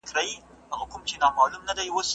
د هېواد بهرنیو تګلاره د خلګو اړتیاوي نه منعکسوي.